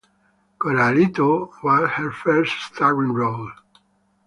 "Coralito" was her first starring role.